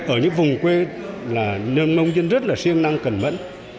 ở những vùng quê là nông dân rất là siêng năng cần mẫn